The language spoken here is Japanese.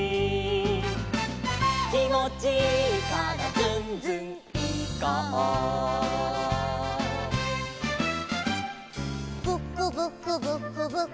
「きもちいいからズンズンいこう」「ブクブクブクブク」